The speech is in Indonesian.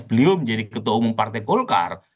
beliau menjadi ketua umum partai golkar